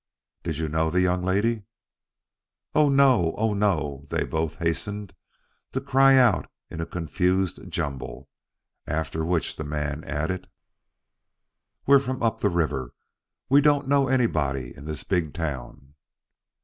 "Did you know the young lady?" "Oh, no; oh, no!" they both hastened to cry out in a confused jumble, after which the man added: "We we're from up the river. We don't know anybody in this big town."